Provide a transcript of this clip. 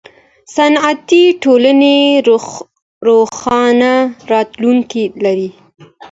صنعتي ټولنې روښانه راتلونکی لري.